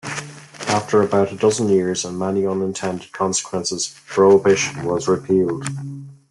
After about a dozen years, and many unintended consequences, Prohibition was repealed.